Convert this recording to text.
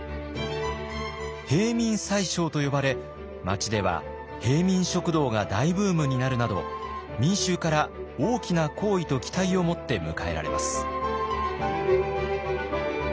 平民宰相と呼ばれ町では平民食堂が大ブームになるなど民衆から大きな好意と期待をもって迎えられます。